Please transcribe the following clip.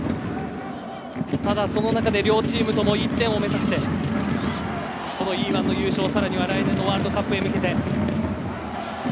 ただ、その中で両チーム共１点を目指してＥ‐１の優勝、更には来年のワールドカップへ向けて。